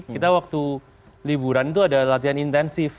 kita waktu liburan itu ada latihan intensif